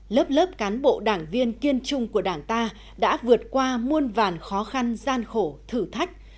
lớp lớp cán bộ đảng viên kiên trung của đảng ta đã vượt qua muôn vàn khó khăn gian khổ thử thách